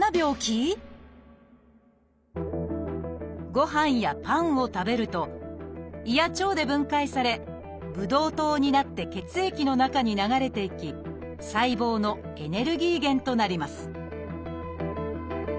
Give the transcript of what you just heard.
ご飯やパンを食べると胃や腸で分解されブドウ糖になって血液の中に流れていき細胞のエネルギー源となります